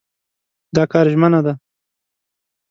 دا کار ژمنه ده.